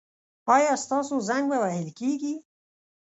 ایا ستاسو زنګ به وهل کیږي؟